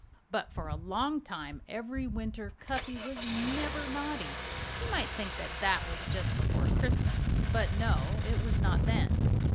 But for a long time every winter Cuffy was never naughty. You might think that that was just before Christmas. But no it was not then.